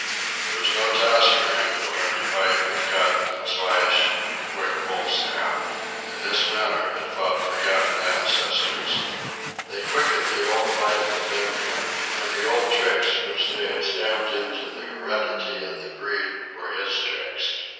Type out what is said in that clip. It was no task for him to learn to fight with cut and slash and the quick wolf snap. In this manner had fought forgotten ancestors. They quickened the old life within him, and the old tricks which they had stamped into the heredity of the breed were his tricks.